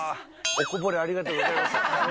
おこぼれありがとうございます。